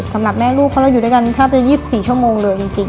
สำหรับแม่ลูกเพราะเราอยู่ด้วยกันแทบจะ๒๔ชั่วโมงเลยจริง